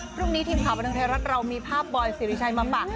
พรุ่งนี้ทีมข่าวบันทึงไทยรัฐเรามีภาพบอยสิริชัยมาฝาก